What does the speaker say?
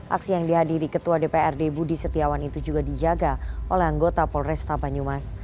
aksi yang dihadiri ketua dprd budi setiawan itu juga dijaga oleh anggota polresta banyumas